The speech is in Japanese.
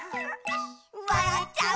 「わらっちゃう」